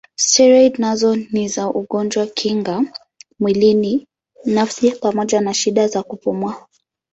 Steroidi nazo ni za ugonjwa kinga mwili nafsi pamoja na shida za kupumua.